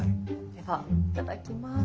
ではいただきます！